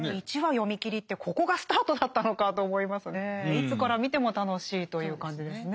いつから見ても楽しいという感じですね。